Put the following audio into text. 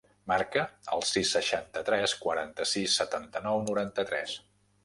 Marca el sis, seixanta-tres, quaranta-sis, setanta-nou, noranta-tres.